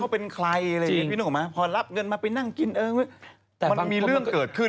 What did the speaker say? พอรับเงินมาไปนั่งกินก็มีเรื่องเกิดขึ้น